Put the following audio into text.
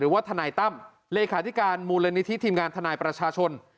ว่าทนายตั้มเลขาธิการมูลนิธิทีมงานทนายประชาชน